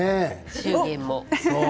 祝言も。